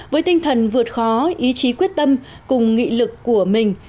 với tinh thần vượt khó ý chí quyết tâm cùng nghị lực của mình